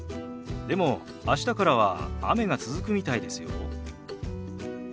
でも明日からは雨が続くみたいですよ。